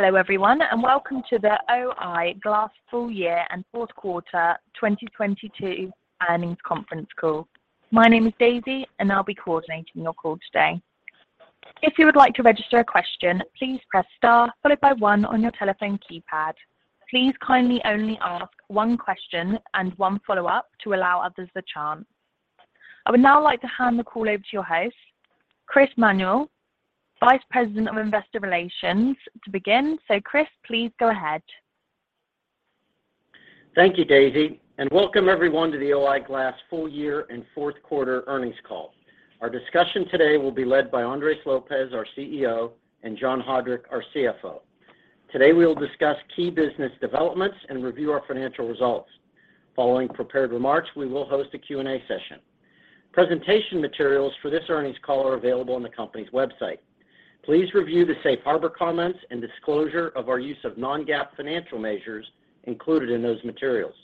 Hello, everyone, and welcome to the O-I Glass full year and fourth quarter 2022 earnings conference call. My name is Daisy, and I'll be coordinating your call today. If you would like to register a question, please press star followed by one on your telephone keypad. Please kindly only ask one question and one follow-up to allow others the chance. I would now like to hand the call over to your host, Chris Manuel, Vice President of Investor Relations, to begin. Chris, please go ahead. Thank you, Daisy, and welcome everyone to the O-I Glass full year and fourth quarter earnings call. Our discussion today will be led by Andres Lopez, our CEO, and John Haudrich, our CFO. Today, we will discuss key business developments and review our financial results. Following prepared remarks, we will host a Q&A session. Presentation materials for this earnings call are available on the company's website. Please review the safe harbor comments and disclosure of our use of Non-GAAP financial measures included in those materials.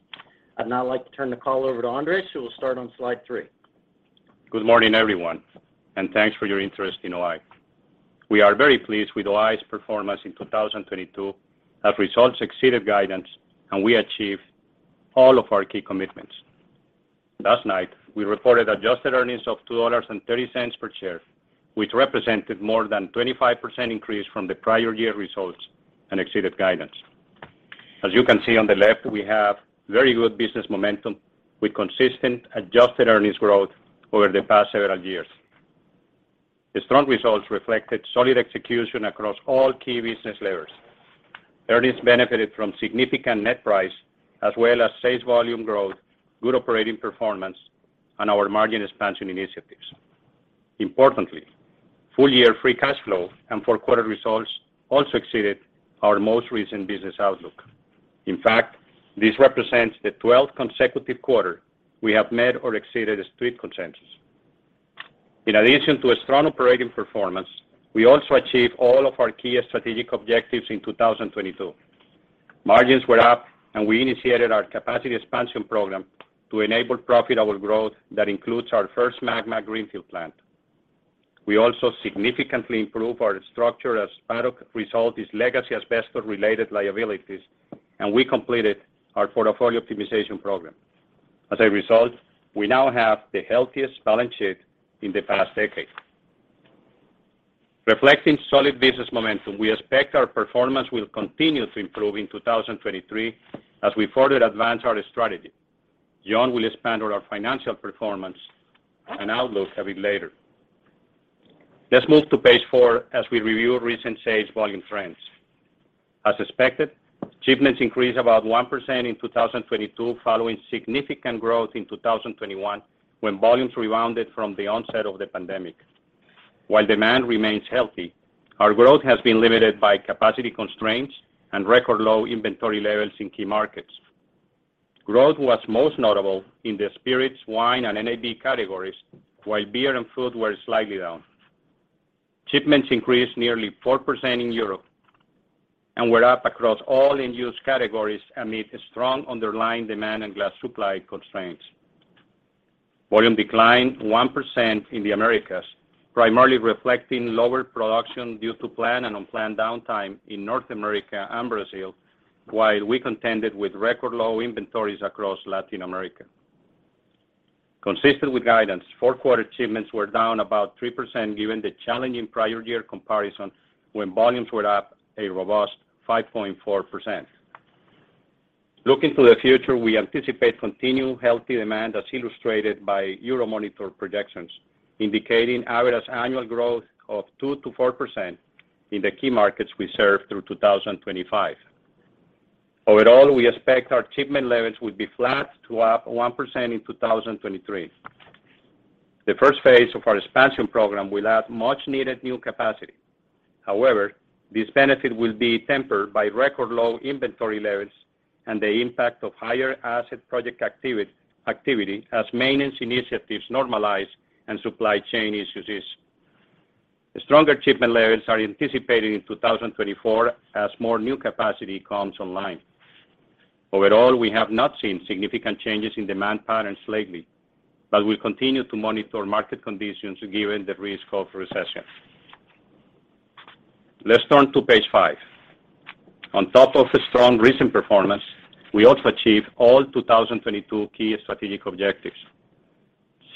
I'd now like to turn the call over to Andres, who will start on slide three. Good morning, everyone, and thanks for your interest in O-I. We are very pleased with O-I's performance in 2022 as results exceeded guidance, and we achieved all of our key commitments. Last night, we reported adjusted earnings of $2.30 per share, which represented more than 25% increase from the prior year results and exceeded guidance. As you can see on the left, we have very good business momentum with consistent adjusted earnings growth over the past several years. The strong results reflected solid execution across all key business layers. Earnings benefited from significant net price as well as sales volume growth, good operating performance, and our margin expansion initiatives. Importantly, full-year free cash flow and 4th quarter results all exceeded our most recent business outlook. In fact, this represents the 12th consecutive quarter we have met or exceeded the Street consensus. In addition to a strong operating performance, we also achieved all of our key strategic objectives in 2022. Margins were up, and we initiated our capacity expansion program to enable profitable growth that includes our first MAGMA greenfield plant. We also significantly improved our structure as part of resolve this legacy asbestos-related liabilities, and we completed our portfolio optimization program. As a result, we now have the healthiest balance sheet in the past decade. Reflecting solid business momentum, we expect our performance will continue to improve in 2023 as we further advance our strategy. John will expand on our financial performance and outlook a bit later. Let's move to page four as we review recent sales volume trends. As expected, shipments increased about 1% in 2022 following significant growth in 2021 when volumes rebounded from the onset of the pandemic. While demand remains healthy, our growth has been limited by capacity constraints and record low inventory levels in key markets. Growth was most notable in the spirits, wine, and NAB categories, while beer and food were slightly down. Shipments increased nearly 4% in Europe and were up across all end-use categories amid strong underlying demand and glass supply constraints. Volume declined 1% in the Americas, primarily reflecting lower production due to planned and unplanned downtime in North America and Brazil, while we contended with record low inventories across Latin America. Consistent with guidance, fourth quarter shipments were down about 3% given the challenging prior year comparison when volumes were up a robust 5.4%. Looking to the future, we anticipate continued healthy demand as illustrated by Euromonitor projections, indicating average annual growth of 2%-4% in the key markets we serve through 2025. We expect our shipment levels will be flat to up 1% in 2023. The first phase of our expansion program will add much needed new capacity. This benefit will be tempered by record low inventory levels and the impact of higher asset project activity as maintenance initiatives normalize and supply chain issues ease. Stronger shipment levels are anticipated in 2024 as more new capacity comes online. We have not seen significant changes in demand patterns lately, but we continue to monitor market conditions given the risk of recession. Let's turn to page five. On top of the strong recent performance, we also achieved all 2022 key strategic objectives.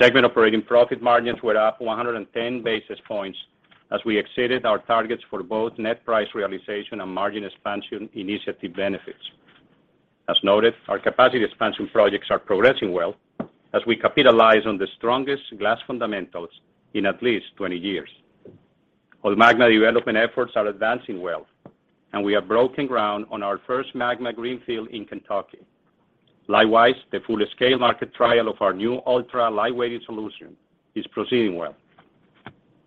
Segment operating profit margins were up 110 basis points as we exceeded our targets for both net price realization and margin expansion initiative benefits. As noted, our capacity expansion projects are progressing well as we capitalize on the strongest glass fundamentals in at least 20 years. All MAGMA development efforts are advancing well, and we have broken ground on our first MAGMA greenfield in Kentucky. Likewise, the full-scale market trial of our new ultra-lightweighting solution is proceeding well.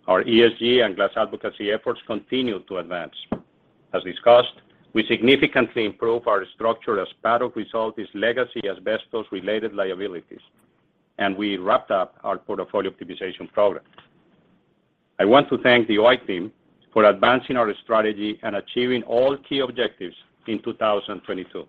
Our ESG and glass advocacy efforts continue to advance. As discussed, we significantly improved our structure as part of resolve this legacy asbestos-related liabilities, and we wrapped up our portfolio optimization program. I want to thank the O-I team for advancing our strategy and achieving all key objectives in 2022.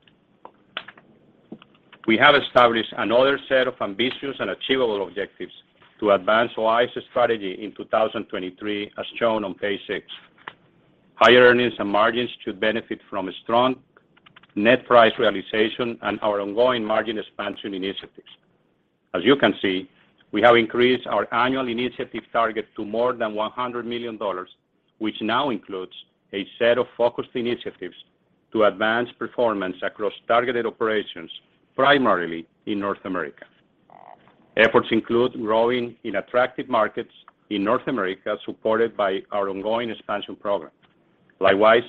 We have established another set of ambitious and achievable objectives to advance O-I's strategy in 2023, as shown on page six. Higher earnings and margins should benefit from a strong net price realization and our ongoing margin expansion initiatives. As you can see, we have increased our annual initiative target to more than $100 million, which now includes a set of focused initiatives to advance performance across targeted operations, primarily in North America. Efforts include growing in attractive markets in North America, supported by our ongoing expansion program. Likewise,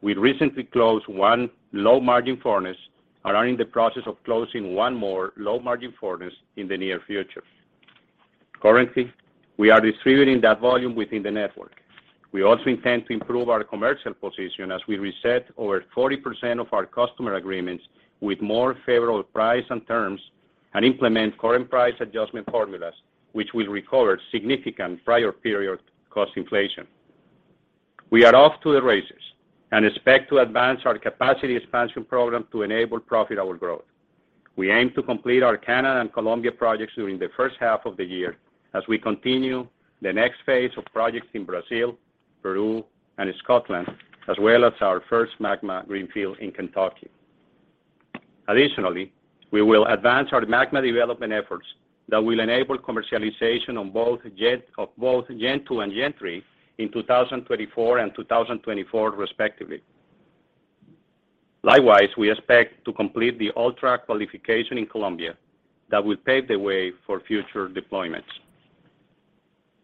we recently closed one low-margin furnace and are in the process of closing 1 more low-margin furnace in the near future. Currently, we are distributing that volume within the network. We also intend to improve our commercial position as we reset over 40% of our customer agreements with more favorable price and terms and implement current price adjustment formulas, which will recover significant prior period cost inflation. We are off to the races and expect to advance our capacity expansion program to enable profitable growth. We aim to complete our Canada and Colombia projects during the first half of the year as we continue the next phase of projects in Brazil, Peru, and Scotland, as well as our first MAGMA greenfield in Kentucky. Additionally, we will advance our MAGMA development efforts that will enable commercialization of both Gen 2 and Gen 3 in 2024 and 2024 respectively. Likewise, we expect to complete the ULTRA qualification in Colombia that will pave the way for future deployments.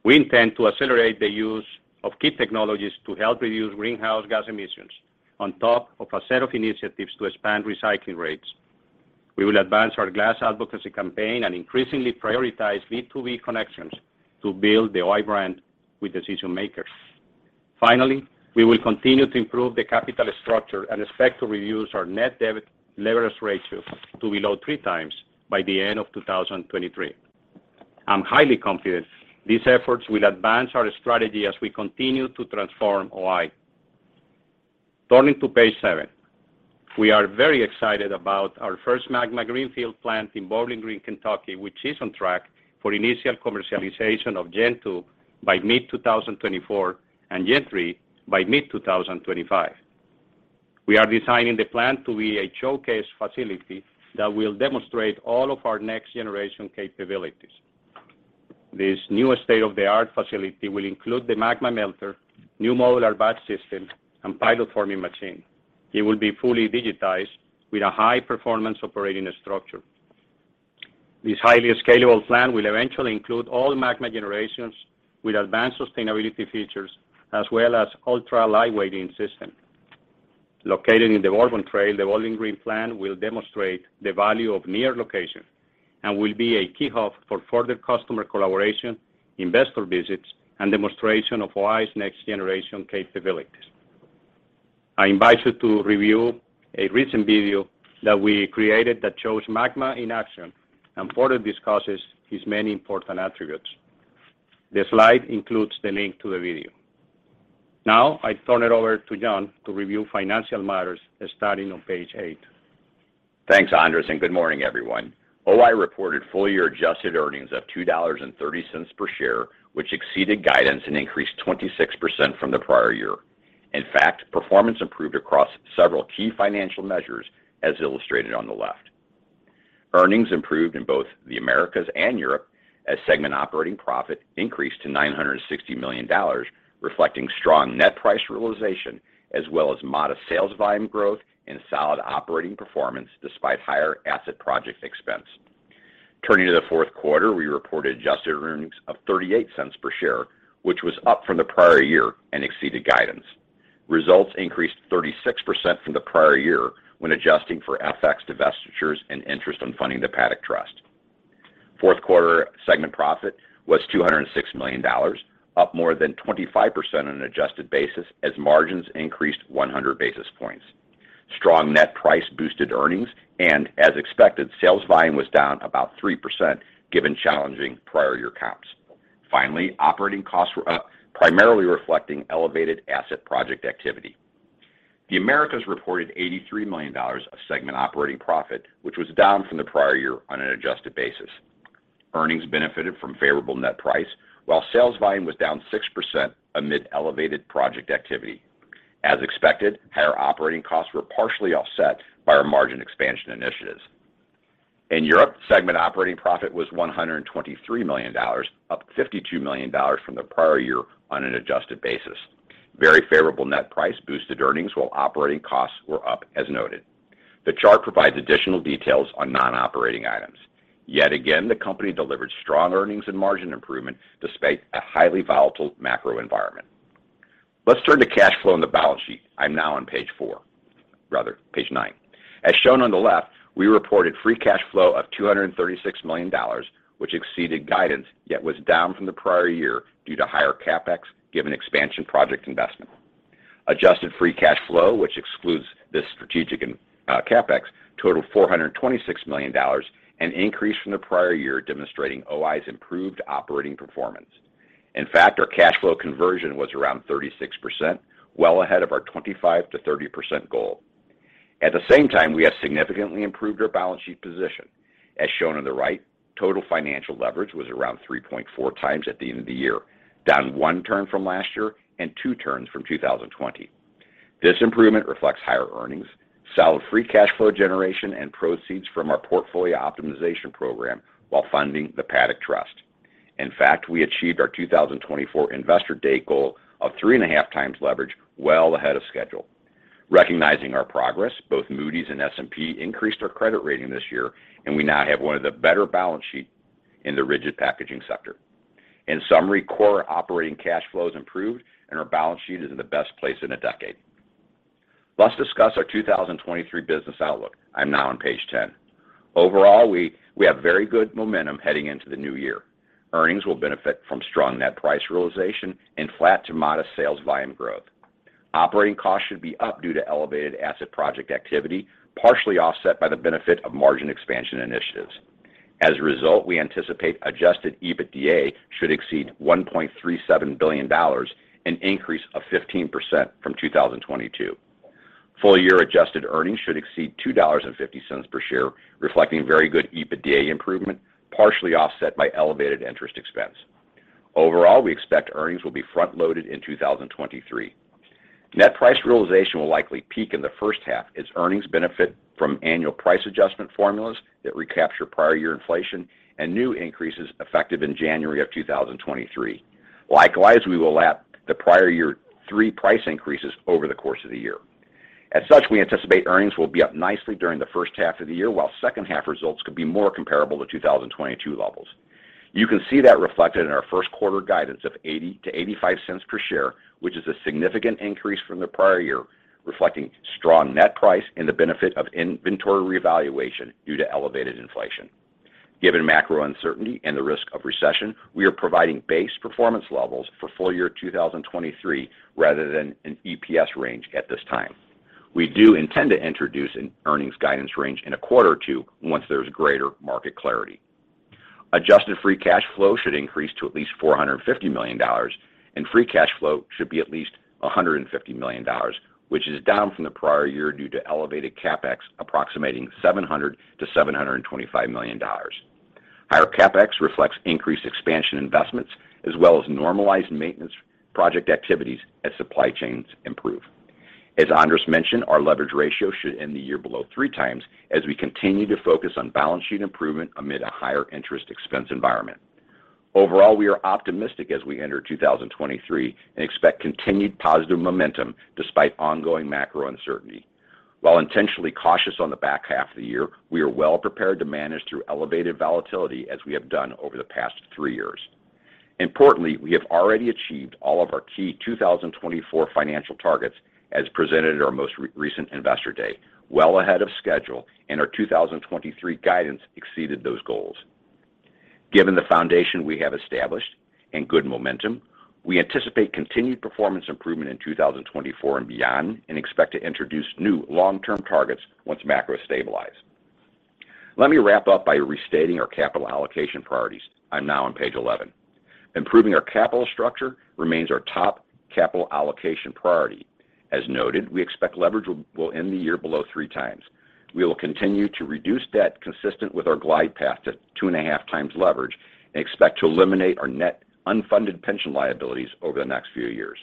We intend to accelerate the use of key technologies to help reduce greenhouse gas emissions on top of a set of initiatives to expand recycling rates. We will advance our glass advocacy campaign and increasingly prioritize B2B connections to build the O-I brand with decision-makers. Finally, we will continue to improve the capital structure and expect to reduce our net debt leverage ratio to below three times by the end of 2023. I'm highly confident these efforts will advance our strategy as we continue to transform O-I. Turning to page seven. We are very excited about our first MAGMA greenfield plant in Bowling Green, Kentucky, which is on track for initial commercialization of Gen 2 by mid-2024, and Gen 3 by mid-2025. We are designing the plant to be a showcase facility that will demonstrate all of our next-generation capabilities. This new state-of-the-art facility will include the MAGMA melter, new modular batch system, and pilot forming machine. It will be fully digitized with a high-performance operating structure. This highly scalable plant will eventually include all MAGMA generations with advanced sustainability features as well as ultra-lightweighting system. Located in the Bourbon Trail, the Bowling Green plant will demonstrate the value of near location and will be a key hub for further customer collaboration, investor visits, and demonstration of O-I Glass's next-generation capabilities. I invite you to review a recent video that we created that shows MAGMA in action and further discusses its many important attributes. The slide includes the link to the video. Now, I turn it over to John to review financial matters starting on page eight. Thanks, Andres. Good morning, everyone. O-I reported full-year adjusted earnings of $2.30 per share, which exceeded guidance and increased 26% from the prior year. In fact, performance improved across several key financial measures as illustrated on the left. Earnings improved in both the Americas and Europe as segment operating profit increased to $960 million, reflecting strong net price realization as well as modest sales volume growth and solid operating performance despite higher asset project expense. Turning to the fourth quarter, we reported adjusted earnings of $0.38 per share, which was up from the prior year and exceeded guidance. Results increased 36% from the prior year when adjusting for FX divestitures and interest on funding the Paddock Trust. Fourth quarter segment profit was $206 million, up more than 25% on an adjusted basis as margins increased 100 basis points. Strong net price boosted earnings and as expected, sales volume was down about 3% given challenging prior year comps. Operating costs were up, primarily reflecting elevated asset project activity. The Americas reported $83 million of segment operating profit, which was down from the prior year on an adjusted basis. Earnings benefited from favorable net price while sales volume was down 6% amid elevated project activity. As expected, higher operating costs were partially offset by our margin expansion initiatives. In Europe, segment operating profit was $123 million, up $52 million from the prior year on an adjusted basis. Very favorable net price boosted earnings while operating costs were up as noted. The chart provides additional details on non-operating items. Yet again, the company delivered strong earnings and margin improvement despite a highly volatile macro environment. Let's turn to cash flow and the balance sheet. I'm now on page four. Rather, page nine. As shown on the left, we reported free cash flow of $236 million, which exceeded guidance, yet was down from the prior year due to higher CapEx given expansion project investment. Adjusted free cash flow, which excludes this strategic and CapEx, totaled $426 million, an increase from the prior year demonstrating O-I's improved operating performance. In fact, our cash flow conversion was around 36%, well ahead of our 25%-30% goal. At the same time, we have significantly improved our balance sheet position. As shown on the right, total financial leverage was around 3.4x at the end of the year, down one turn from last year and two turns from 2020. This improvement reflects higher earnings, solid free cash flow generation, and proceeds from our portfolio optimization program while funding the Paddock Trust. In fact, we achieved our 2024 Investor Day goal of 3.5x leverage well ahead of schedule. Recognizing our progress, both Moody's and S&P increased our credit rating this year, and we now have one of the better balance sheet in the rigid packaging sector. In summary, core operating cash flows improved and our balance sheet is in the best place in a decade. Let's discuss our 2023 business outlook. I'm now on page 10. Overall, we have very good momentum heading into the new year. Earnings will benefit from strong net price realization and flat to modest sales volume growth. Operating costs should be up due to elevated asset project activity, partially offset by the benefit of margin expansion initiatives. As a result, we anticipate adjusted EBITDA should exceed $1.37 billion, an increase of 15% from 2022. Full year adjusted earnings should exceed $2.50 per share, reflecting very good EBITDA improvement, partially offset by elevated interest expense. Overall, we expect earnings will be front-loaded in 2023. Net price realization will likely peak in the first half as earnings benefit from annual price adjustment formulas that recapture prior year inflation and new increases effective in January 2023. Likewise, we will lap the prior year three price increases over the course of the year. As such, we anticipate earnings will be up nicely during the first half of the year, while second-half results could be more comparable to 2022 levels. You can see that reflected in our first quarter guidance of $0.80-$0.85 per share, which is a significant increase from the prior year, reflecting strong net price and the benefit of inventory revaluation due to elevated inflation. Given macro uncertainty and the risk of recession, we are providing base performance levels for full year 2023 rather than an EPS range at this time. We do intend to introduce an earnings guidance range in a quarter or two once there's greater market clarity. Adjusted free cash flow should increase to at least $450 million, and free cash flow should be at least $150 million, which is down from the prior year due to elevated CapEx approximating $700 million-$725 million. Higher CapEx reflects increased expansion investments as well as normalized maintenance project activities as supply chains improve. As Andres mentioned, our leverage ratio should end the year below three times as we continue to focus on balance sheet improvement amid a higher interest expense environment. Overall, we are optimistic as we enter 2023 and expect continued positive momentum despite ongoing macro uncertainty. While intentionally cautious on the back half of the year, we are well prepared to manage through elevated volatility as we have done over the past three years. Importantly, we have already achieved all of our key 2024 financial targets as presented at our most recent Investor Day, well ahead of schedule, and our 2023 guidance exceeded those goals. Given the foundation we have established and good momentum, we anticipate continued performance improvement in 2024 and beyond and expect to introduce new long-term targets once macro stabilize. Let me wrap up by restating our capital allocation priorities. I'm now on page 11. Improving our capital structure remains our top capital allocation priority. As noted, we expect leverage will end the year below 3 times. We will continue to reduce debt consistent with our glide path to 2.5x leverage and expect to eliminate our net unfunded pension liabilities over the next few years.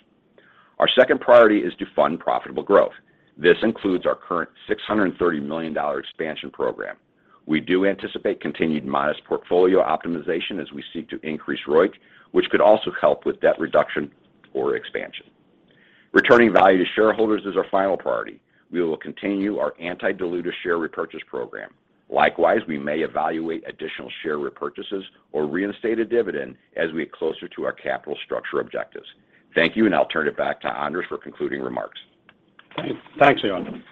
Our second priority is to fund profitable growth. This includes our current $630 million expansion program. We do anticipate continued modest portfolio optimization as we seek to increase ROIC, which could also help with debt reduction or expansion. Returning value to shareholders is our final priority. We will continue our anti-dilutive share repurchase program. Likewise, we may evaluate additional share repurchases or reinstate a dividend as we get closer to our capital structure objectives. Thank you. I'll turn it back to Andres for concluding remarks. Thanks, John.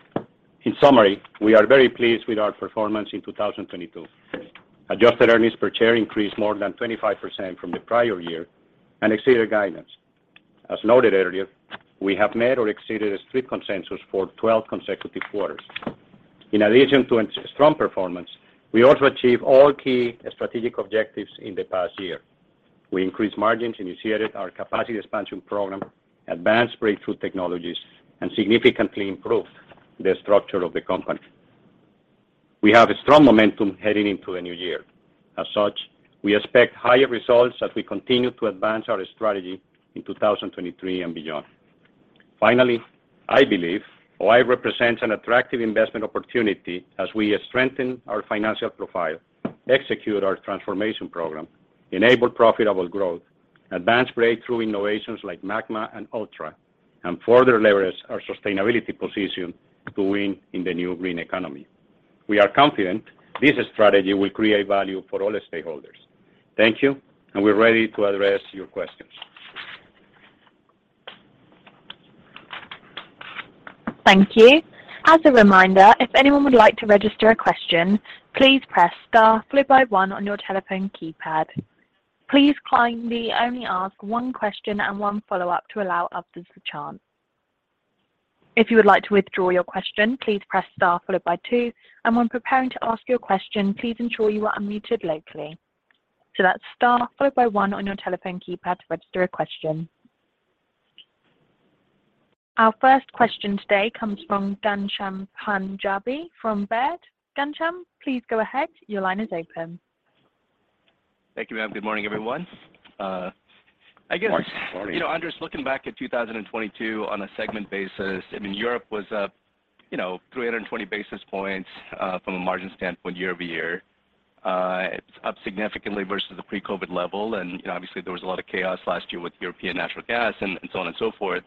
In summary, we are very pleased with our performance in 2022. Adjusted earnings per share increased more than 25% from the prior year and exceeded guidance. As noted earlier, we have made or exceeded a street consensus for 12 consecutive quarters. In addition to a strong performance, we also achieved all key strategic objectives in the past year. We increased margins, initiated our capacity expansion program, advanced breakthrough technologies, and significantly improved the structure of the company. We have a strong momentum heading into the new year. As such, we expect higher results as we continue to advance our strategy in 2023 and beyond. Finally, I believe O-I represents an attractive investment opportunity as we strengthen our financial profile, execute our transformation program, enable profitable growth, advance breakthrough innovations like MAGMA and ULTRA, and further leverage our sustainability position to win in the new green economy. We are confident this strategy will create value for all stakeholders. Thank you. We're ready to address your questions. Thank you. As a reminder, if anyone would like to register a question, please press star followed by one on your telephone keypad. Please kindly only ask one question and 1 follow-up to allow others the chance. If you would like to withdraw your question, please press star followed by two. When preparing to ask your question, please ensure you are unmuted locally. That's star followed by one on your telephone keypad to register a question. Our first question today comes from Ghansham Panjabi from Baird. Ghansham, please go ahead. Your line is open. Thank you, ma'am. Good morning, everyone. Morning. You know, Andres, looking back at 2022 on a segment basis, I mean Europe was up, you know, 320 basis points, from a margin standpoint year-over-year. It's up significantly versus the pre-COVID level. You know, obviously there was a lot of chaos last year with European natural gas and so on and so forth.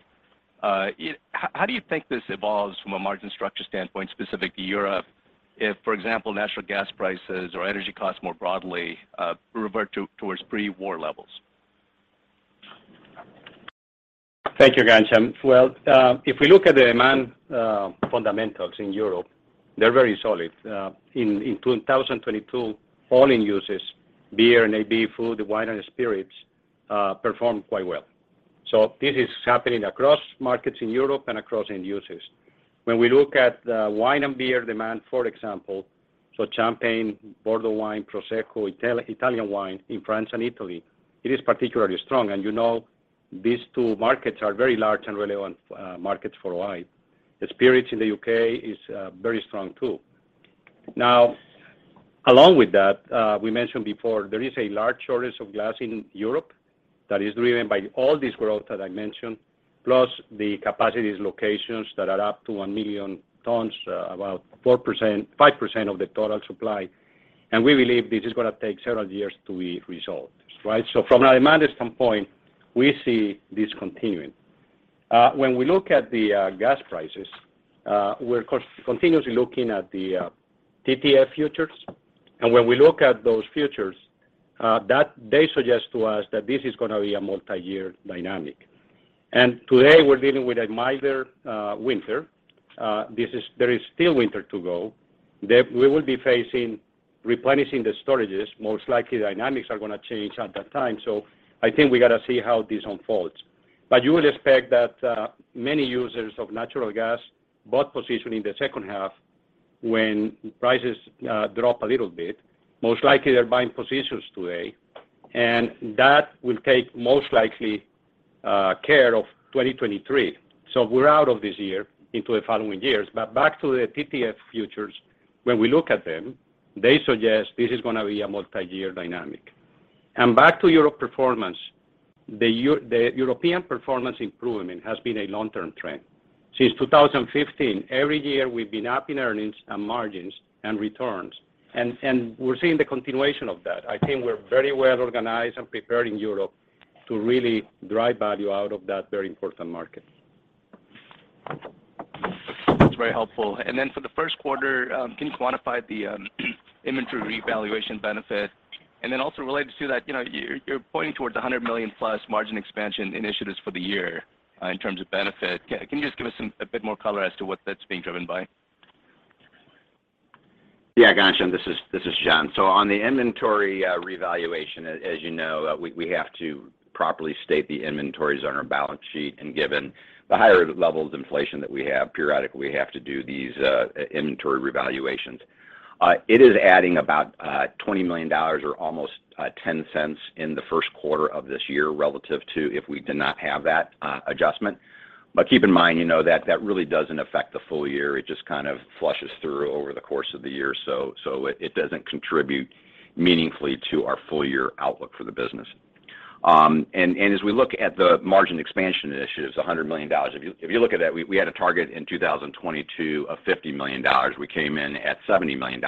How do you think this evolves from a margin structure standpoint specific to Europe if, for example, natural gas prices or energy costs more broadly, revert towards pre-war levels? Thank you, Ghansham. Well, if we look at the demand, fundamentals in Europe, they're very solid. In 2022, all end users, beer and AB food, wine and spirits, performed quite well. This is happening across markets in Europe and across end users. When we look at the wine and beer demand, for example, Champagne, Bordeaux wine, Prosecco, Italian wine in France and Italy, it is particularly strong. You know, these two markets are very large and relevant markets for wine. The spirits in the UK is very strong too. Along with that, we mentioned before there is a large shortage of glass in Europe that is driven by all this growth that I mentioned, plus the capacities locations that are up to 1 million tons, about 4%, 5% of the total supply, and we believe this is gonna take several years to be resolved, right? From a demand standpoint, we see this continuing. When we look at the gas prices, we're continuously looking at the TTF futures. When we look at those futures, they suggest to us that this is gonna be a multi-year dynamic. Today we're dealing with a milder winter. This is there is still winter to go that we will be facing replenishing the storages. Most likely dynamics are gonna change at that time. I think we gotta see how this unfolds. You will expect that many users of natural gas bought position in the second half when prices drop a little bit. Most likely they're buying positions today, and that will take most likely care of 2023. We're out of this year into the following years. Back to the TTF futures, when we look at them, they suggest this is gonna be a multi-year dynamic. Back to Europe performance, the European performance improvement has been a long-term trend. Since 2015, every year we've been up in earnings and margins and returns, and we're seeing the continuation of that. I think we're very well organized and prepared in Europe to really drive value out of that very important market. That's very helpful. Then for the first quarter, can you quantify the inventory revaluation benefit? Then also related to that, you know, you're pointing towards $100 million-plus margin expansion initiatives for the year in terms of benefit. Can you just give us a bit more color as to what that's being driven by? Ghansham, this is John. On the inventory revaluation, as you know, we have to properly state the inventories on our balance sheet, and given the higher level of inflation that we have, periodically we have to do these inventory revaluations. It is adding about $20 million or almost $0.10 in the first quarter of this year relative to if we did not have that adjustment. Keep in mind, you know, that really doesn't affect the full year. It just kind of flushes through over the course of the year. It doesn't contribute meaningfully to our full year outlook for the business. As we look at the margin expansion initiatives, $100 million, if you look at that, we had a target in 2022 of $50 million. We came in at $70 million.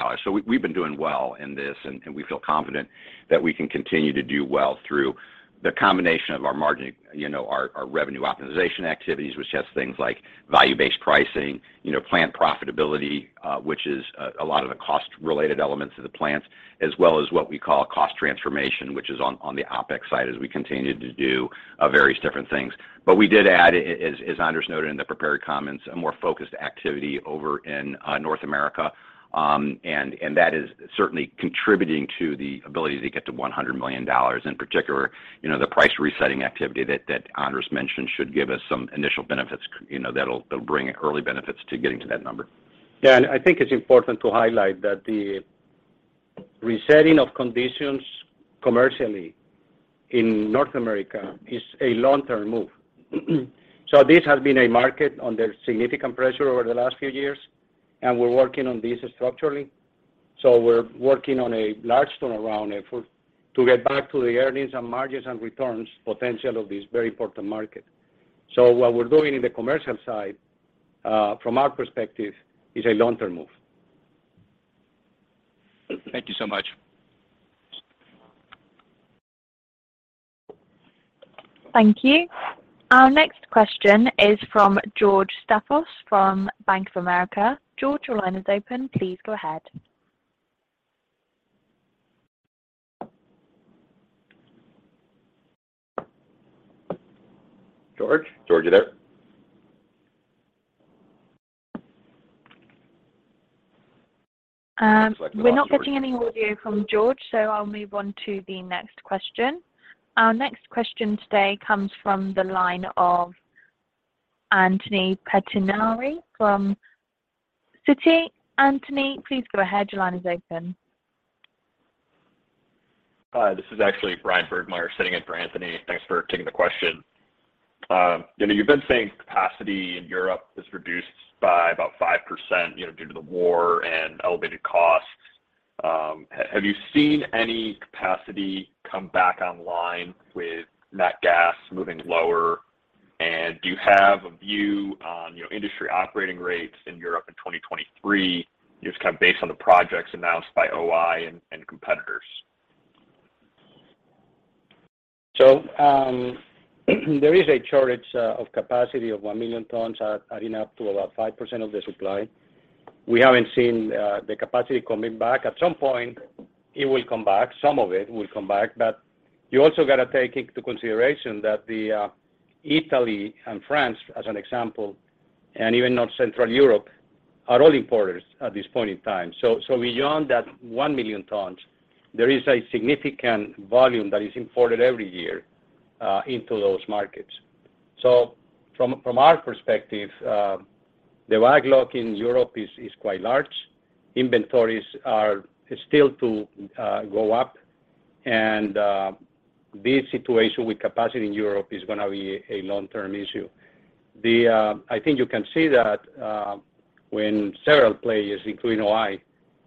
We've been doing well in this, and we feel confident that we can continue to do well through the combination of our margin, you know, our revenue optimization activities, which has things like value-based pricing, you know, plant profitability, which is a lot of the cost related elements of the plants, as well as what we call cost transformation, which is on the OpEx side as we continue to do various different things. We did add, as Andres noted in the prepared comments, a more focused activity over in North America. That is certainly contributing to the ability to get to $100 million. In particular, you know, the price resetting activity that Andres mentioned should give us some initial benefits. You know, it'll bring early benefits to getting to that number. Yeah. I think it's important to highlight that the resetting of conditions commercially in North America is a long-term move. This has been a market under significant pressure over the last few years, and we're working on this structurally. We're working on a large turnaround effort to get back to the earnings and margins and returns potential of this very important market. What we're doing in the commercial side, from our perspective, is a long-term move. Thank you so much. Thank you. Our next question is from George Staphos from Bank of America. George, your line is open. Please go ahead. George? George, you there? We're not getting any audio from George, so I'll move on to the next question. Our next question today comes from the line of Anthony Pettinari from Citi. Anthony, please go ahead. Your line is open. This is actually Bryan Burgmeier sitting in for Anthony. Thanks for taking the question. You know, you've been saying capacity in Europe is reduced by about 5%, you know, due to the war and elevated costs. Have you seen any capacity come back online with nat gas moving lower? Do you have a view on, you know, industry operating rates in Europe in 2023, you know, kind of based on the projects announced by OI and competitors? There is a shortage of capacity of 1 million tons, adding up to about 5% of the supply. We haven't seen the capacity coming back. At some point it will come back. Some of it will come back. You also gotta take into consideration that Italy and France, as an example, and even North Central Europe are all importers at this point in time. Beyond that 1 million tons, there is a significant volume that is imported every year into those markets. From our perspective, the lag log in Europe is quite large. Inventories are still to go up. This situation with capacity in Europe is gonna be a long-term issue. I think you can see that, when several players, including O-I,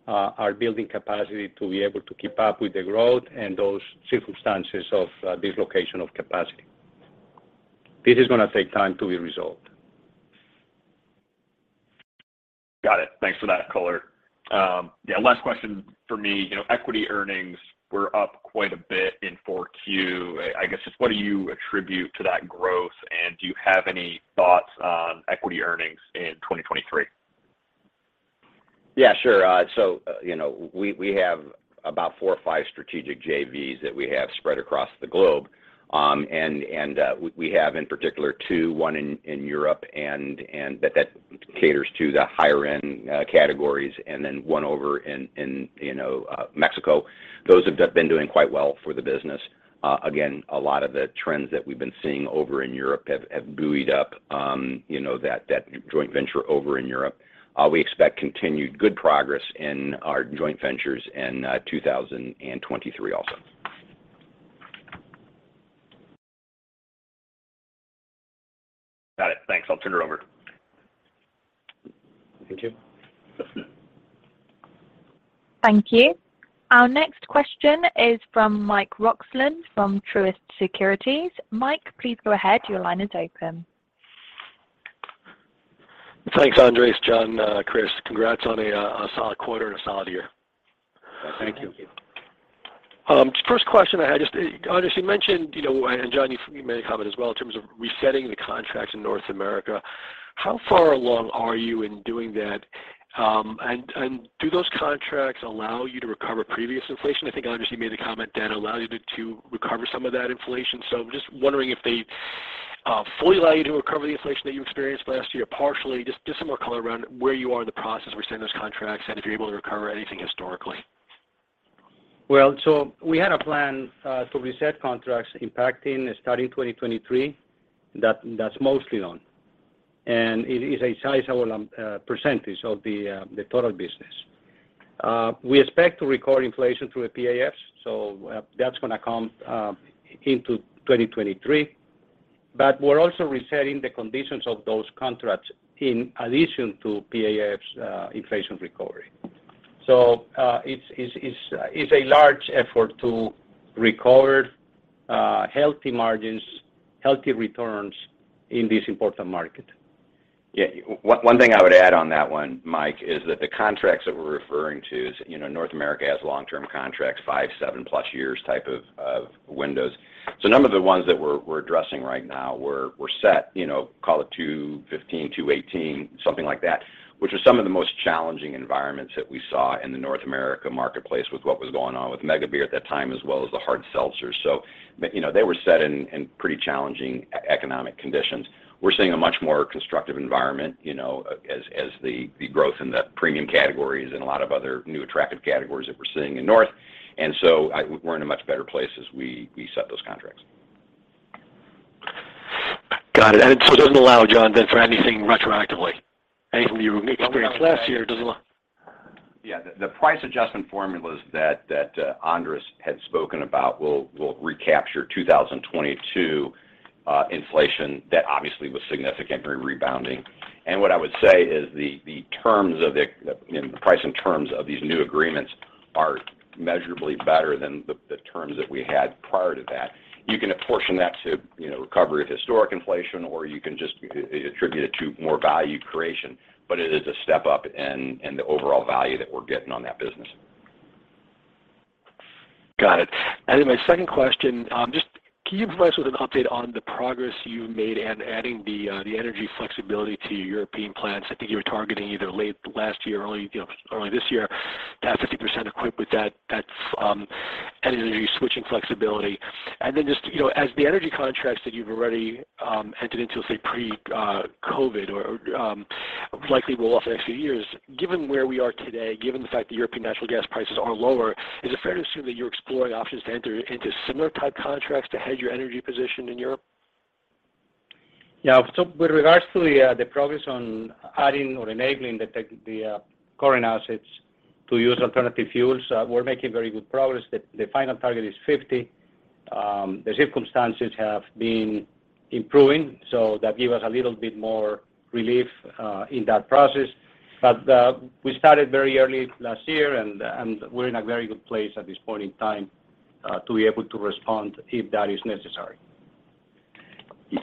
are building capacity to be able to keep up with the growth and those circumstances of dislocation of capacity. This is gonna take time to be resolved. Got it. Thanks for that color. Last question from me. You know, equity earnings were up quite a bit in 4Q. I guess just what do you attribute to that growth, and do you have any thoughts on equity earnings in 2023? Yeah, sure. You know, we have about four or five strategic JVs that we have spread across the globe. We, we have in particular two, one in Europe and that caters to the higher end, categories and then one over in, you know, Mexico. Those have been doing quite well for the business. A lot of the trends that we've been seeing over in Europe have buoyed up, you know, that joint venture over in Europe. We expect continued good progress in our joint ventures in, 2023 also. Got it. Thanks. I'll turn it over. Thank you. Yes, ma'am. Thank you. Our next question is from Mike Roxland from Truist Securities. Mike, please go ahead. Your line is open. Thanks, Andres, John, Chris. Congrats on a solid quarter and a solid year. Thank you. Thank you. First question I had, just, Andres, you mentioned, you know, and John, you made a comment as well in terms of resetting the contracts in North America. How far along are you in doing that? Do those contracts allow you to recover previous inflation? I think Andres, you made the comment that allow you to recover some of that inflation. Just wondering if they fully allow you to recover the inflation that you experienced last year, partially. Just some more color around where you are in the process of resetting those contracts and if you're able to recover anything historically. Well, we had a plan to reset contracts impacting starting 2023. That's mostly done. It is a sizable percentage of the total business. We expect to recover inflation through PAFs, that's gonna come into 2023. We're also resetting the conditions of those contracts in addition to PAFs' inflation recovery. It's a large effort to recover healthy margins, healthy returns in this important market. One thing I would add on that one, Mike, is that the contracts that we're referring to is, you know, North America has long-term contracts, 5, 7+ years type of windows. A number of the ones that we're addressing right now were set, you know, call it 2015, 2018, something like that, which are some of the most challenging environments that we saw in the North America marketplace with what was going on with mega beer at that time, as well as the hard seltzers. You know, they were set in pretty challenging economic conditions. We're seeing a much more constructive environment, you know, as the growth in the premium categories and a lot of other new attractive categories that we're seeing in North. we're in a much better place as we set those contracts. Got it. It doesn't allow, John, then for anything retroactively, anything from your unique experience last year, it doesn't allow. Yeah. The price adjustment formulas that Andres had spoken about will recapture 2022 inflation that obviously was significant rebounding. What I would say is the terms of the, you know, price and terms of these new agreements are measurably better than the terms that we had prior to that. You can apportion that to, you know, recovery of historic inflation, or you can just attribute it to more value creation. It is a step up in the overall value that we're getting on that business. Got it. My second question, just can you provide us with an update on the progress you've made in adding the energy flexibility to your European plants? I think you were targeting either late last year, early, you know, early this year, to have 50% equipped with that energy switching flexibility. Just, you know, as the energy contracts that you've already entered into, say, pre-COVID or likely roll off the next few years. Given where we are today, given the fact that European natural gas prices are lower, is it fair to assume that you're exploring options to enter into similar type contracts to hedge your energy position in Europe? With regards to the progress on adding or enabling the current assets to use alternative fuels, we're making very good progress. The final target is 50. The circumstances have been improving, so that give us a little bit more relief in that process. We started very early last year and we're in a very good place at this point in time to be able to respond if that is necessary.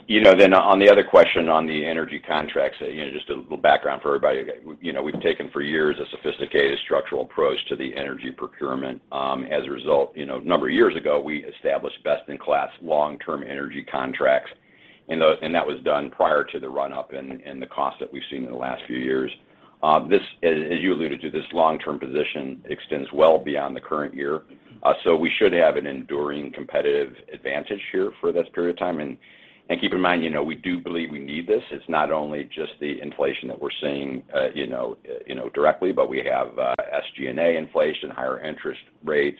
You know, on the other question on the energy contracts, you know, just a little background for everybody. You know, we've taken for years a sophisticated structural approach to the energy procurement. As a result, you know, a number of years ago, we established best-in-class long-term energy contracts. That was done prior to the run-up and the cost that we've seen in the last few years. This as you alluded to, this long-term position extends well beyond the current year. We should have an enduring competitive advantage here for this period of time. Keep in mind, you know, we do believe we need this. It's not only just the inflation that we're seeing, you know, directly, but we have SG&A inflation, higher interest rates,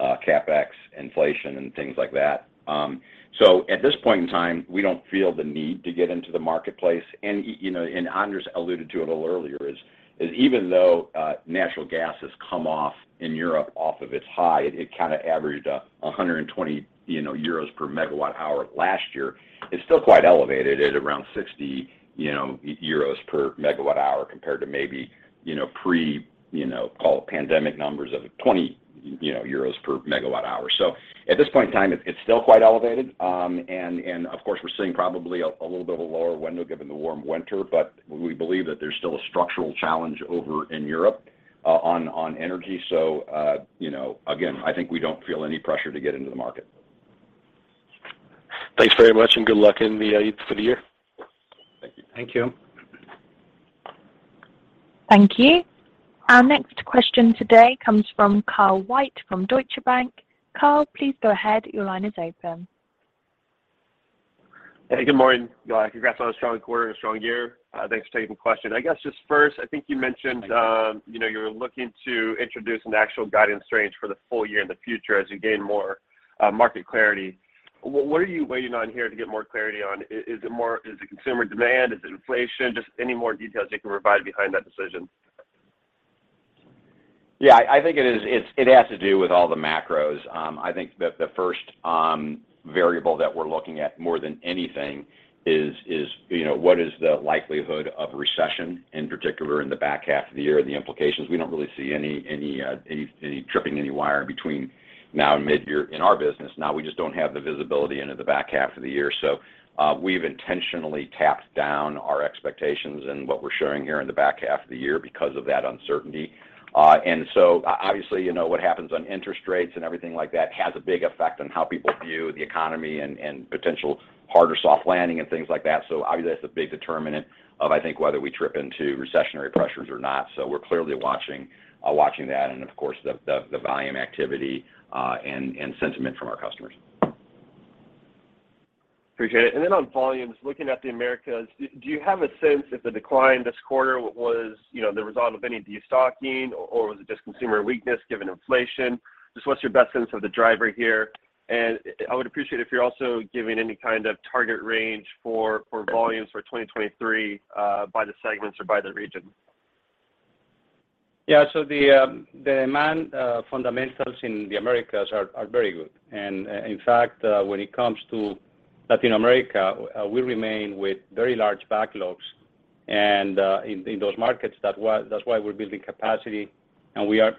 CapEx inflation, and things like that. At this point in time, we don't feel the need to get into the marketplace. You know, and Andres alluded to it a little earlier, is even though natural gas has come off in Europe off of its high, it kinda averaged 120 euros per megawatt hour last year. It's still quite elevated at around 60 euros per megawatt hour, compared to maybe, you know, pre, you know, call it pandemic numbers of 20 euros per megawatt hour. At this point in time, it's still quite elevated. And of course, we're seeing probably a little bit of a lower window given the warm winter. We believe that there's still a structural challenge over in Europe on energy. You know, again, I think we don't feel any pressure to get into the market. Thanks very much, and good luck in the for the year. Thank you. Thank you. Thank you. Our next question today comes from Kyle White from Deutsche Bank. Kyle, please go ahead. Your line is open. Hey, good morning. Congrats on a strong quarter and a strong year. Thanks for taking the question. I guess just first, I think you mentioned- Thank you. You know, you're looking to introduce an actual guidance range for the full year in the future as you gain more market clarity. What are you waiting on here to get more clarity on? Is it consumer demand? Is it inflation? Just any more details you can provide behind that decision. Yeah. I think it has to do with all the macros. I think the first variable that we're looking at more than anything is, you know, what is the likelihood of recession, in particular in the back half of the year and the implications. We don't really see any tripping any wire between now and mid-year in our business. Now we just don't have the visibility into the back half of the year. We've intentionally tapped down our expectations and what we're showing here in the back half of the year because of that uncertainty. Obviously, you know, what happens on interest rates and everything like that has a big effect on how people view the economy and potential hard or soft landing and things like that. Obviously, that's a big determinant of, I think, whether we trip into recessionary pressures or not. We're clearly watching that and of course, the volume activity and sentiment from our customers. Appreciate it. Then on volumes, looking at the Americas, do you have a sense if the decline this quarter was, you know, the result of any destocking or was it just consumer weakness given inflation? What's your best sense of the driver here? I would appreciate if you're also giving any kind of target range for volumes for 2023 by the segments or by the region. The demand fundamentals in the Americas are very good. In fact, when it comes to Latin America, we remain with very large backlogs. In those markets, that's why we're building capacity, and we are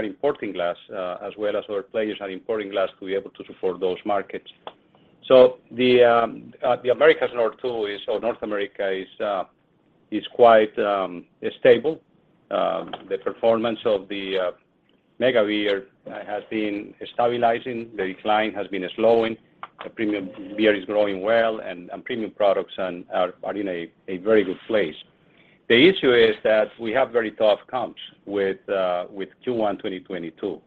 importing glass as well as our players are importing glass to be able to support those markets. The Americas North too is, or North America is quite stable. The performance of the mega beer has been stabilizing. The decline has been slowing. The premium beer is growing well, and premium products are in a very good place. The issue is that we have very tough comps with Q1 2022.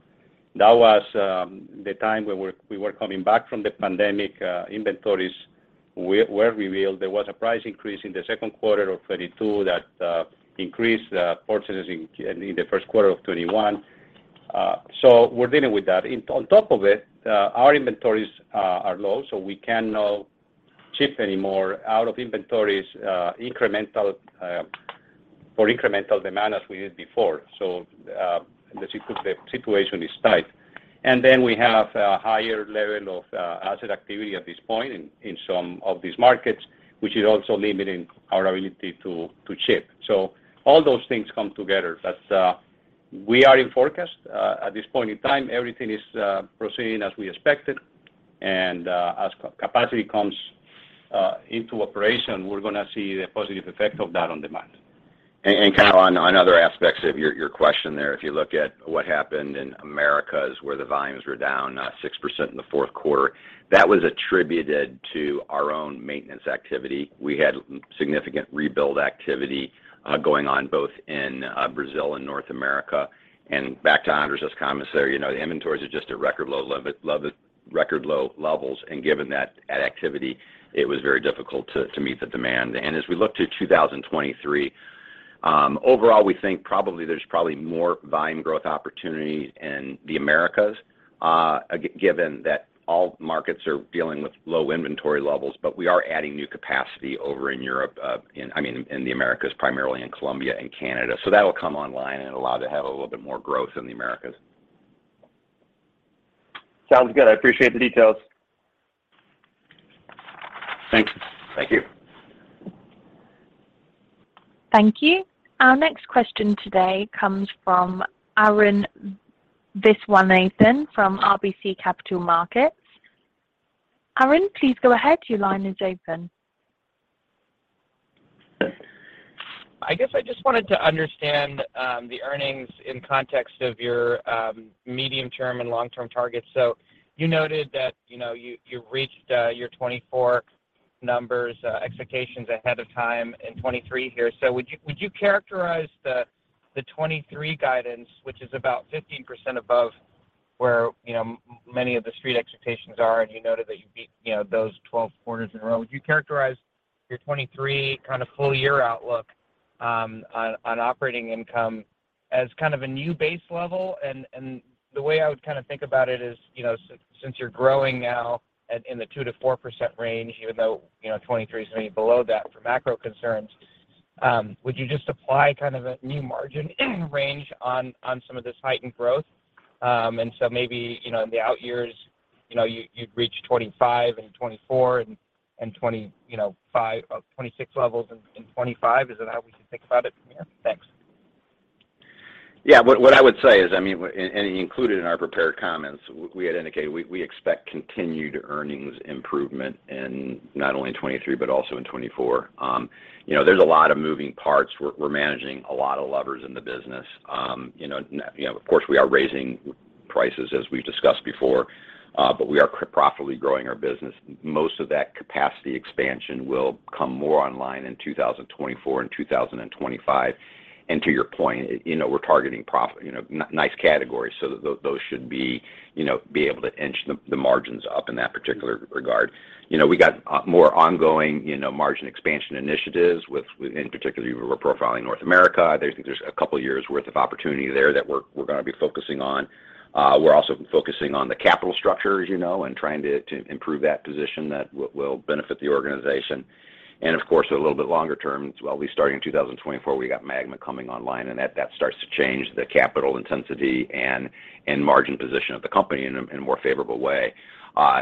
That was the time where we were coming back from the pandemic. Inventories were revealed. There was a price increase in the second quarter of 2022 that increased purchases in the first quarter of 2021. We're dealing with that. On top of it, our inventories are low, we cannot ship any more out of inventories, incremental, for incremental demand as we did before. The situation is tight. We have a higher level of asset activity at this point in some of these markets, which is also limiting our ability to ship. All those things come together. That's, we are in forecast. At this point in time, everything is proceeding as we expected. As capacity comes into operation, we're gonna see the positive effect of that on demand. Kind of on other aspects of your question there, if you look at what happened in Americas, where the volumes were down 6% in the fourth quarter, that was attributed to our own maintenance activity. We had significant rebuild activity going on both in Brazil and North America. Back to Andres's comments there, you know, the inventories are just at record low levels. Given that activity, it was very difficult to meet the demand. As we look to 2023, overall, we think probably there's more volume growth opportunity in the Americas, given that all markets are dealing with low inventory levels. We are adding new capacity over in Europe, I mean, in the Americas, primarily in Colombia and Canada. That'll come online and allow to have a little bit more growth in the Americas. Sounds good. I appreciate the details. Thanks. Thank you. Thank you. Our next question today comes from Arun Viswanathan from RBC Capital Markets. Arun, please go ahead. Your line is open. I guess I just wanted to understand the earnings in context of your medium-term and long-term targets. You noted that, you know, you reached your 2024 numbers expectations ahead of time in 2023 here. Would you characterize the 2023 guidance, which is about 15% above where, you know, many of the street expectations are? You noted that you beat, you know, those 12 quarters in a row. Would you characterize your 2023 kind of full year outlook on operating income as kind of a new base level? The way I would kind of think about it is, you know, since you're growing now at, in the 2%-4% range, even though, you know, 2023 is gonna be below that for macro concerns, would you just apply kind of a new margin range on some of this heightened growth? Maybe, you know, in the out years, you know, you'd reach 25% and 24% and 25%, 26% levels in 2025. Is that how we should think about it from here? Thanks. What I would say is, I mean, included in our prepared comments, we had indicated we expect continued earnings improvement in not only in 2023, but also in 2024. You know, there's a lot of moving parts. We're, we're managing a lot of levers in the business. You know, you know, of course, we are raising prices as we've discussed before, we are profitably growing our business. Most of that capacity expansion will come more online in 2024 and 2025. To your point, you know, we're targeting profit, you know, nice categories, so those should be, you know, be able to inch the margins up in that particular regard. You know, we got more ongoing, you know, margin expansion initiatives with in particular, we're profiling North America. There's a couple years worth of opportunity there that we're gonna be focusing on. We're also focusing on the capital structure, as you know, and trying to improve that position that will benefit the organization. Of course, a little bit longer term, well, we start in 2024, we got MAGMA coming online, and that starts to change the capital intensity and margin position of the company in a more favorable way. I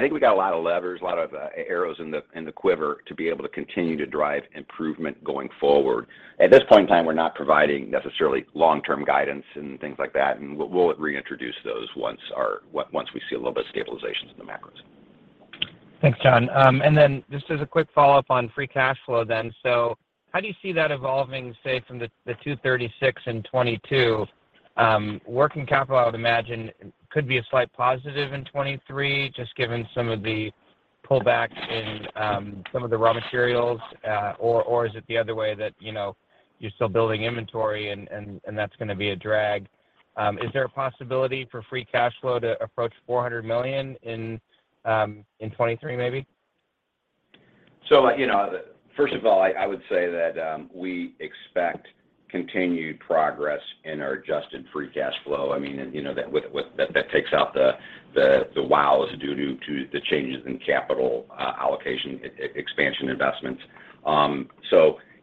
think we got a lot of levers, a lot of arrows in the quiver to be able to continue to drive improvement going forward. At this point in time, we're not providing necessarily long-term guidance and things like that, and we'll reintroduce those once we see a little bit of stabilizations in the macros. Thanks, John. Just as a quick follow-up on free cash flow then. How do you see that evolving, say from the $236 in 2022? Working capital, I would imagine could be a slight positive in 2023, just given some of the pullbacks in some of the raw materials. Or is it the other way that, you know, you're still building inventory and that's gonna be a drag? Is there a possibility for free cash flow to approach $400 million in 2023 maybe? You know, first of all, I would say that we expect continued progress in our adjusted free cash flow. I mean, you know, that takes out the wows due to the changes in capital allocation expansion investments.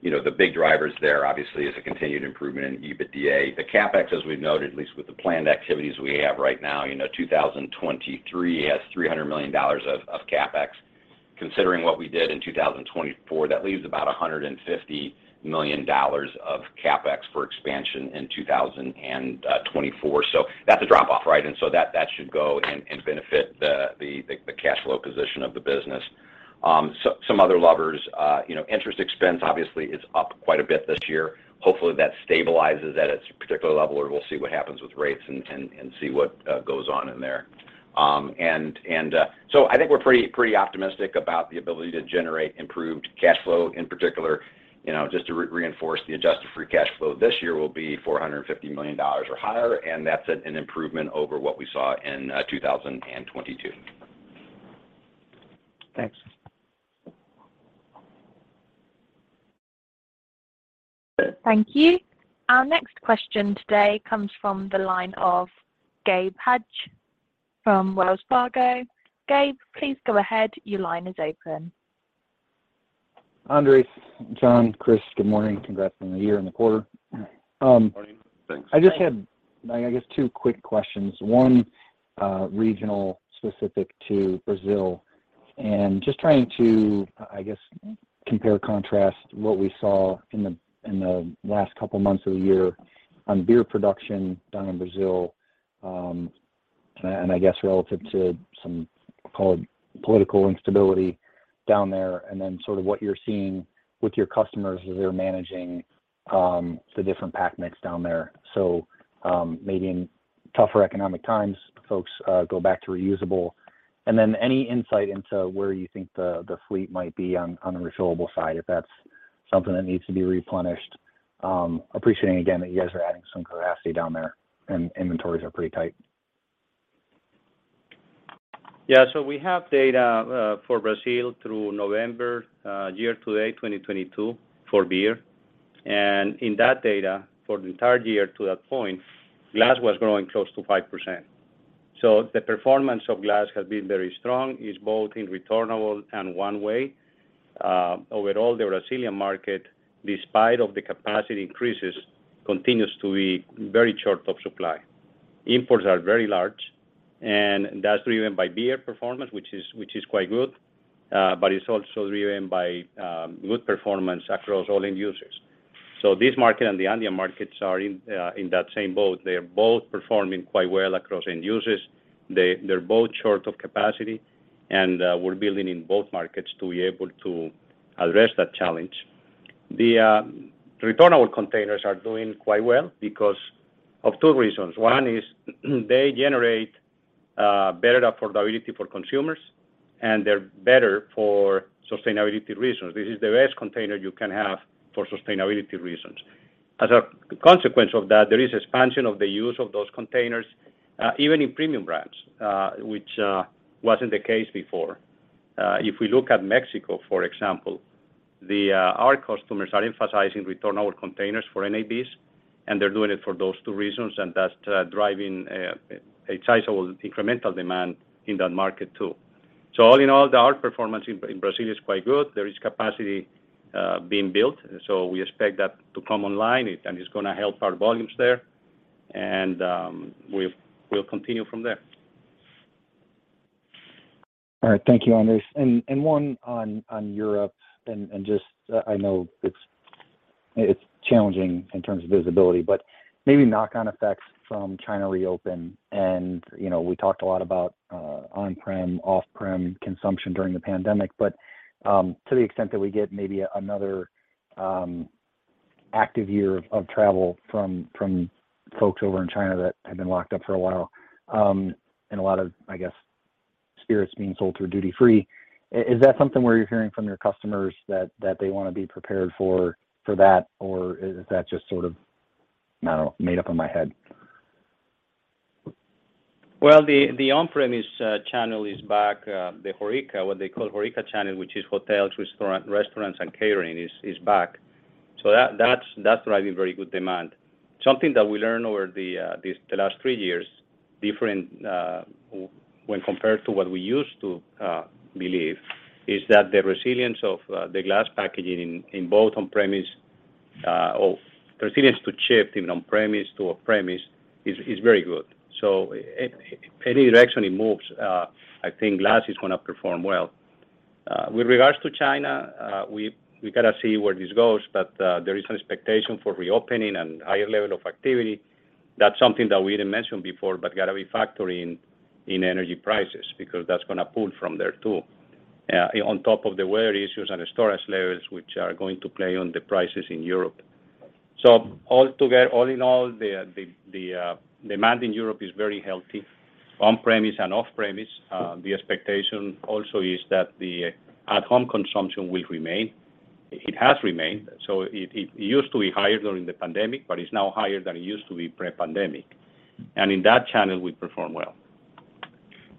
You know, the big drivers there obviously is a continued improvement in EBITDA. The CapEx, as we've noted, at least with the planned activities we have right now, you know, 2023 has $300 million of CapEx. Considering what we did in 2024, that leaves about $150 million of CapEx for expansion in 2024. That's a drop off, right? That should go and benefit the cash flow position of the business. Some other levers, you know, interest expense obviously is up quite a bit this year. Hopefully, that stabilizes at its particular level, or we'll see what happens with rates and see what goes on in there. I think we're pretty optimistic about the ability to generate improved cash flow in particular. You know, just to reinforce the adjusted free cash flow this year will be $450 million or higher, and that's an improvement over what we saw in 2022. Thanks. Thank you. Our next question today comes from the line of Gabe Hajde from Wells Fargo. Gabe, please go ahead. Your line is open. Andre, John, Chris, good morning. Congrats on the year and the quarter. Good morning. Thanks. Thanks. I just had, I guess two quick questions. One, regional specific to Brazil, and just trying to, I guess, compare and contrast what we saw in the last couple months of the year on beer production down in Brazil, and I guess relative to some call it political instability down there, and then sort of what you're seeing with your customers as they're managing the different pack mix down there. Maybe in tougher economic times, folks go back to reusable. Then any insight into where you think the fleet might be on the refillable side, if that's something that needs to be replenished. Appreciating again that you guys are adding some capacity down there and inventories are pretty tight. Yeah. We have data for Brazil through November year-to-date 2022 for beer. In that data, for the entire year to that point, glass was growing close to 5%. It's both in returnable and one-way. Overall, the Brazilian market, despite of the capacity increases, continues to be very short of supply. Imports are very large. That's driven by beer performance, which is quite good. It's also driven by good performance across all end users. This market and the Andean markets are in that same boat. They are both performing quite well across end users. They're both short of capacity. We're building in both markets to be able to address that challenge. The returnable containers are doing quite well because of two reasons. One is they generate better affordability for consumers, and they're better for sustainability reasons. This is the best container you can have for sustainability reasons. As a consequence of that, there is expansion of the use of those containers, even in premium brands, which wasn't the case before. If we look at Mexico, for example, the our customers are emphasizing returnable containers for NABs, and they're doing it for those two reasons, and that's driving a sizable incremental demand in that market too. All in all, the hard performance in Brazil is quite good. There is capacity being built, so we expect that to come online and it's gonna help our volumes there. We'll continue from there. All right. Thank you, Andres. One on Europe and just, I know it's challenging in terms of visibility, but maybe knock-on effects from China reopen. You know, we talked a lot about, on-prem, off-prem consumption during the pandemic. To the extent that we get maybe another active year of travel from folks over in China that have been locked up for a while, and a lot of, I guess, spirits being sold through duty-free. Is that something where you're hearing from your customers that they wanna be prepared for that? Or is that just sort of, I don't know, made up in my head? Well, the on-premise channel is back. The HoReCa, what they call HoReCa channel, which is hotels, restaurants, and catering is back. That's driving very good demand. Something that we learned over the last three years, different when compared to what we used to believe, is that the resilience of the glass packaging in both on-premise, or resilience to shift even on-premise to off-premise is very good. Any direction it moves, I think glass is gonna perform well. With regards to China, we gotta see where this goes, but there is an expectation for reopening and higher level of activity. That's something that we didn't mention before but gotta be factoring in energy prices because that's gonna pull from there too, on top of the wear issues and the storage levels which are going to play on the prices in Europe. All in all, the demand in Europe is very healthy, on-premise and off-premise. The expectation also is that the at-home consumption will remain. It has remained. It used to be higher during the pandemic, but it's now higher than it used to be pre-pandemic. In that channel, we perform well.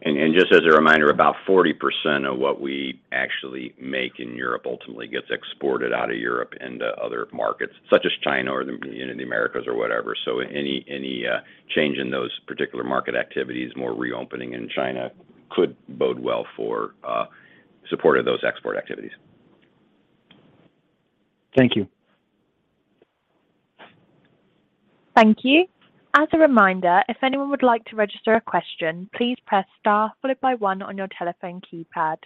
Just as a reminder, about 40% of what we actually make in Europe ultimately gets exported out of Europe into other markets, such as China or the, you know, the Americas or whatever. Any change in those particular market activities, more reopening in China could bode well for support of those export activities. Thank you. Thank you. As a reminder, if anyone would like to register a question, please press star followed by one on your telephone keypad.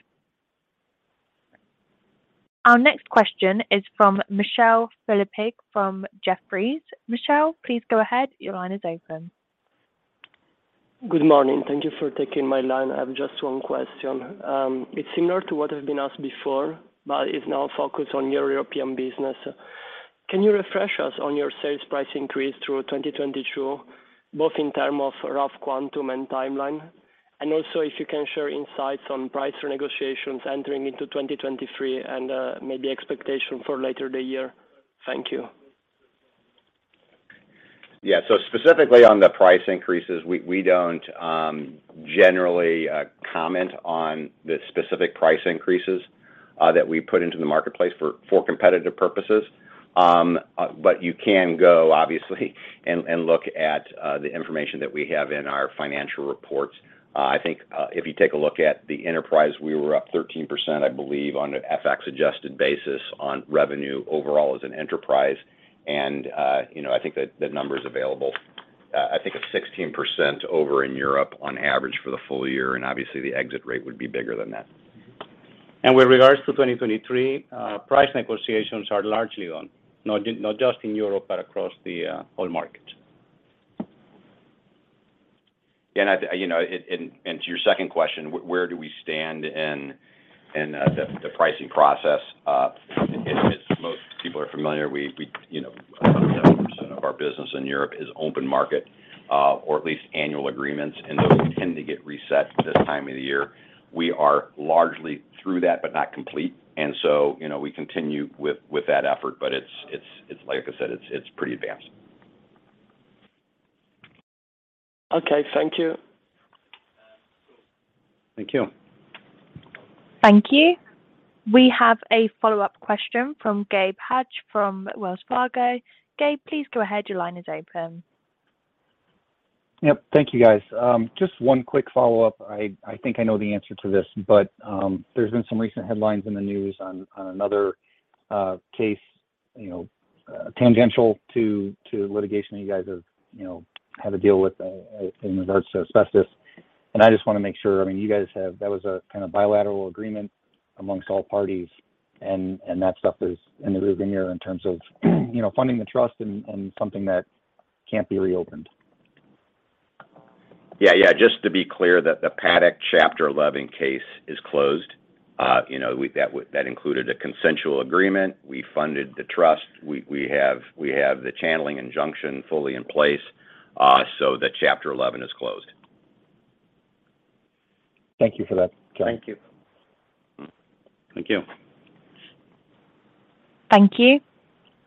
Our next question is from Philip Ng from Jefferies. Philip, please go ahead. Your line is open. Good morning. Thank you for taking my line. I have just one question. It's similar to what has been asked before, but it's now focused on your European business. Can you refresh us on your sales price increase through 2022, both in term of rough quantum and timeline? Also if you can share insights on price negotiations entering into 2023 and maybe expectation for later the year. Thank you. Yeah. Specifically on the price increases, we don't generally comment on the specific price increases that we put into the marketplace for competitive purposes. You can go obviously and look at the information that we have in our financial reports. I think if you take a look at the enterprise, we were up 13%, I believe, on an FX-adjusted basis on revenue overall as an enterprise. You know, I think the number is available. I think it's 16% over in Europe on average for the full year, and obviously, the exit rate would be bigger than that. With regards to 2023, price negotiations are largely on, not just in Europe, but across the whole market. Yeah. you know, and to your second question, where do we stand in the pricing process? People are familiar, we you know, 70% of our business in Europe is open market, or at least annual agreements. Those tend to get reset this time of the year. We are largely through that, but not complete. you know, we continue with that effort, but it's like I said, it's pretty advanced. Okay. Thank you. Thank you. Thank you. We have a follow-up question from Gabe Hajde from Wells Fargo. Gabe, please go ahead. Your line is open. Yep. Thank you, guys. Just one quick follow-up. I think I know the answer to this, but, there's been some recent headlines in the news on another case, you know, tangential to litigation you guys have, you know, had to deal with in regards to asbestos. I just wanna make sure, I mean, you guys have, that was a kind of bilateral agreement amongst all parties, and that stuff is in the rearview mirror in terms of, you know, funding the trust and something that can't be reopened. Yeah, yeah. Just to be clear that the Paddock Chapter 11 case is closed. You know, that included a consensual agreement. We funded the trust. We have the channeling injunction fully in place, the Chapter 11 is closed. Thank you for that. Thank you. Thank you. Thank you.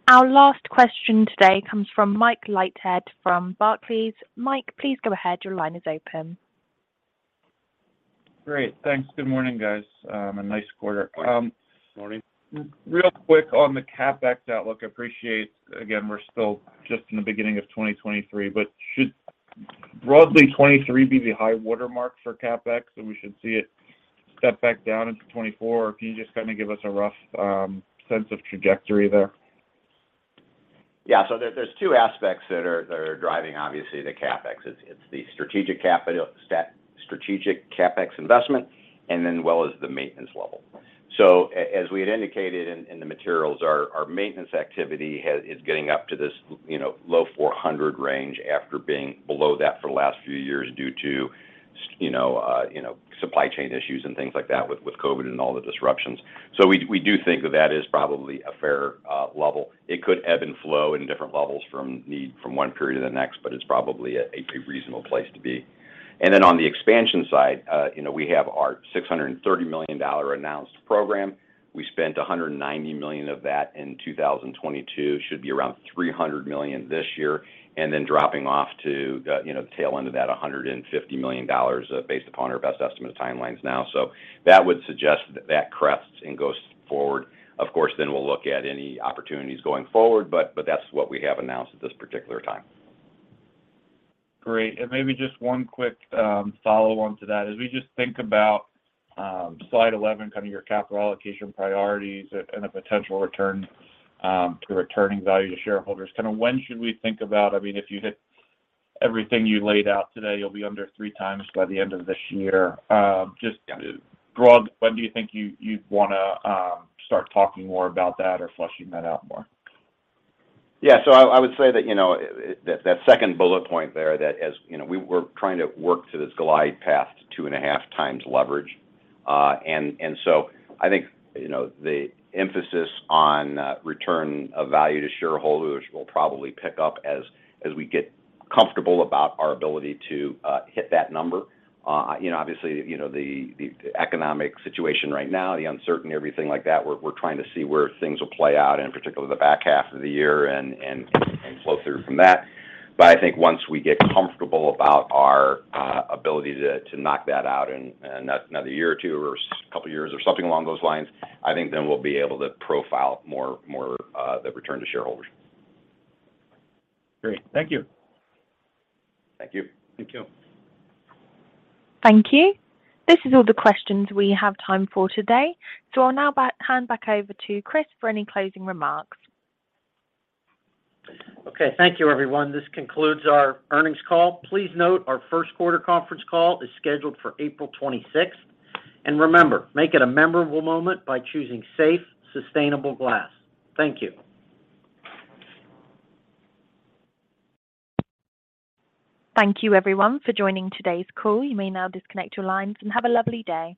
Our last question today comes from Mike Leithead from Barclays. Mike, please go ahead. Your line is open. Great. Thanks. Good morning, guys. A nice quarter. Morning. real quick on the CapEx outlook. Appreciate, again, we're still just in the beginning of 2023, but should broadly 2023 be the high watermark for CapEx, and we should see it step back down into 2024? Can you just kinda give us a rough, sense of trajectory there? There's two aspects that are driving, obviously, the CapEx. It's the strategic capital strategic CapEx investment and then well as the maintenance level. As we had indicated in the materials, our maintenance activity is getting up to this, you know, low 400 range after being below that for the last few years due to, you know, supply chain issues and things like that with COVID and all the disruptions. We do think that that is probably a fair level. It could ebb and flow in different levels from need from one period to the next. It's probably a reasonable place to be. On the expansion side, you know, we have our $630 million announced program. We spent $190 million of that in 2022. Should be around $300 million this year, and then dropping off to, you know, the tail end of that, $150 million based upon our best estimate timelines now. That would suggest that that crests and goes forward. Of course, we'll look at any opportunities going forward, but that's what we have announced at this particular time. Great. Maybe just one quick follow-on to that. As we just think about slide 11, kind of your capital allocation priorities and the potential return to returning value to shareholders. Kind of when should we think about... I mean, if you hit everything you laid out today, you'll be under 3 times by the end of this year. Just broad, when do you think you'd wanna start talking more about that or fleshing that out more? I would say that, you know, that second bullet point there, you know, we're trying to work to this glide path to 2.5x leverage. I think, you know, the emphasis on return of value to shareholders will probably pick up as we get comfortable about our ability to hit that number. You know, obviously, you know, the economic situation right now, the uncertainty, everything like that, we're trying to see where things will play out in particular the back half of the year and flow through from that. I think once we get comfortable about our ability to knock that out in another year or two or couple years or something along those lines, I think then we'll be able to profile more the return to shareholders. Great. Thank you. Thank you. Thank you. This is all the questions we have time for today. I'll now hand back over to Chris for any closing remarks. Okay. Thank you, everyone. This concludes our earnings call. Please note our first quarter conference call is scheduled for April 26th. Remember, make it a memorable moment by choosing safe, sustainable glass. Thank you. Thank you everyone for joining today's call. You may now disconnect your lines and have a lovely day.